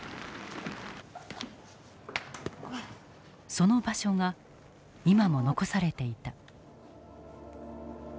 その場所が今も残されていた。